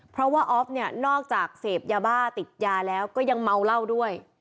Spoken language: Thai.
เพราะว่าออฟเนี่ยนอกจากเสพยาบ้าติดยาแล้วก็ยังเมาเหล้าด้วย